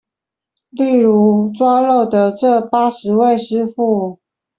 例如抓漏的這八十位師傅